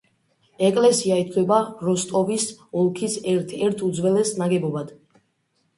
ეკლესია ითვლება როსტოვის ოლქის ერთ-ერთ უძველეს ნაგებობად.